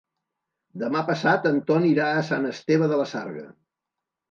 Demà passat en Ton irà a Sant Esteve de la Sarga.